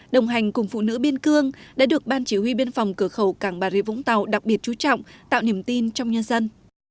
đồng hành cùng phụ nữ biên cương đã được ban chỉ huy biên phòng cửa khẩu càng bà rịa vũng tàu đặc biệt chú trọng tạo niềm tin trong nhân dân